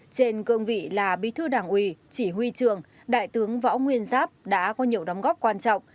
trên cương vị là bí thư đảng ủy chỉ huy trường đại tướng võ nguyên giáp đã có nhiều đóng góp quan trọng